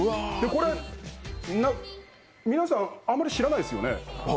皆さん、あまり知らないですよね。